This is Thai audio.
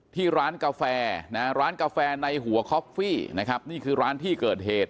ที่ร้านกาแฟนะฮะร้านกาแฟในหัวคอฟฟี่นะครับนี่คือร้านที่เกิดเหตุ